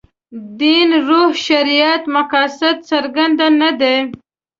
دین روح شریعت مقاصد څرګند نه دي.